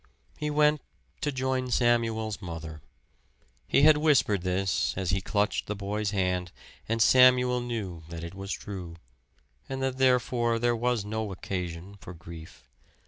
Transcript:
He went to join Samuel's mother. He had whispered this as he clutched the boy's hand; and Samuel knew that it was true, and that therefore there was no occasion for grief.